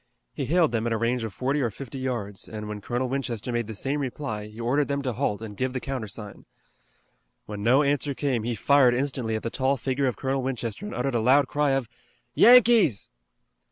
He hailed them at a range of forty or fifty yards, and when Colonel Winchester made the same reply he ordered them to halt and give the countersign. When no answer came he fired instantly at the tall figure of Colonel Winchester and uttered a loud cry of, "Yankees!"